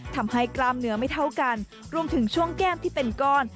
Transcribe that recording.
กล้ามเนื้อไม่เท่ากันรวมถึงช่วงแก้มที่เป็นก้อน